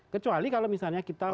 kecuali kalau misalnya kita